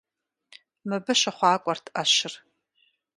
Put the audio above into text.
Мыбы щыхъуакӀуэрт Ӏэщыр.